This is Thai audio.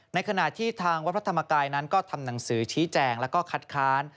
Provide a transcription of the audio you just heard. ในขณะที่ทางวัดพระธรรมกายนั้นก็ทำหนังสือชี้แจงแล้วก็คัดค้าน